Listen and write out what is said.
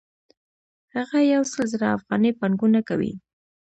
هغه یو سل زره افغانۍ پانګونه کوي